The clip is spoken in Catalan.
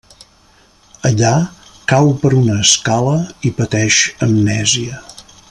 Allà, cau per una escala i pateix amnèsia.